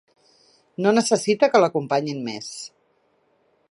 No necessita que l'acompanyin més.